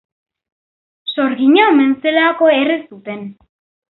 Sorgina omen zelako erre zuten.